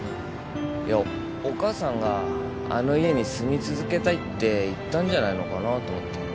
いやお母さんがあの家に住み続けたいって言ったんじゃないのかなと思って。